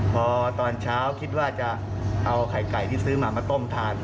พอตอนเช้าคิดว่าจะเอาไข่ไก่ที่ซื้อมามาต้มทาน